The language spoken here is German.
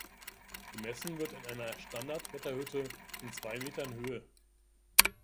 Gemessen wird in einer Standard-Wetterhütte in zwei Metern Höhe.